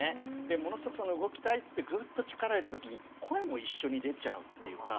ものすごく動きたいってグッと力入れた時に声も一緒に出ちゃうっていうか。